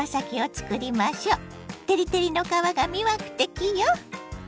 照り照りの皮が魅惑的よ！